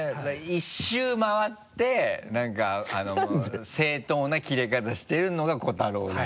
一周回って何か正当なキレ方してるのが瑚太郎だよね。